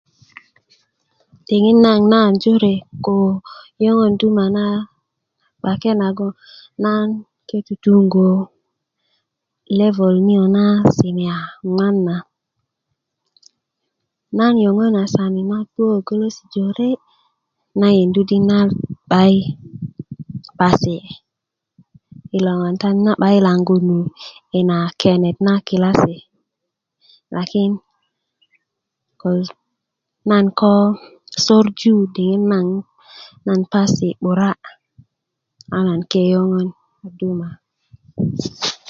diŋit naŋ nan jore ko liyöŋö duma na kpake nagon nan ke tutungo level niyo na senior nŋan nan liyöŋön asandi kobgoŋ nan pujö yoŋesi jore 'n ye yeju afi nan a passi j lakin nan ko sorju naŋ nan passi 'bura a nan ke liyöŋö duma